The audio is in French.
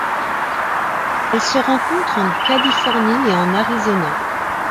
Elles se rencontrent en Californie et en Arizona.